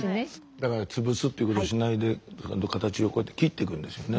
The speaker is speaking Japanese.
だから潰すってことをしないでちゃんと形をこうやって切ってくんですよね。